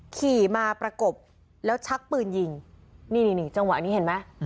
ขี่มาประกบแล้วชักปืนยิงนี่นี่จังหวะนี้เห็นไหม